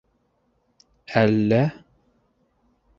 - Әллә...